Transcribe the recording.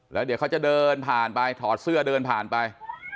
แล้วเดี๋ยวเขาจะเดินผ่านไปถอดเสื้อเดินผ่านไป